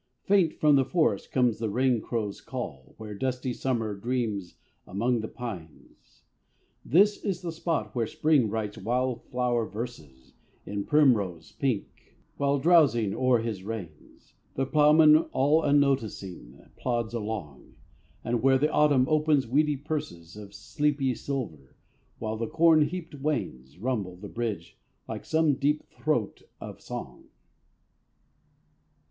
Faint from the forest comes the rain crow's call Where dusty Summer dreams among the pines. This is the spot where Spring writes wildflower verses In primrose pink, while, drowsing o'er his reins, The ploughman, all unnoticing, plods along: And where the Autumn opens weedy purses Of sleepy silver, while the corn heaped wains Rumble the bridge like some deep throat of song.